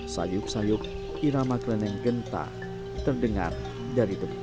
sayup sayup irama kleneng genta terdengar dari tempat ini